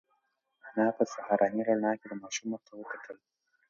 انا په سهارنۍ رڼا کې د ماشوم مخ ته وکتل.